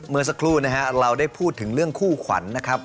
เมื่อสักครู่นะฮะเราได้พูดถึงเรื่องคู่ขวัญนะครับ